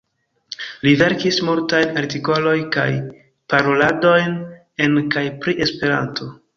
Li verkis multajn artikoloj kaj paroladojn en kaj pri Esperanto.